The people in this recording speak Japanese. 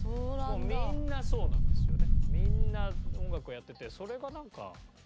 もうみんなそうなんですよね。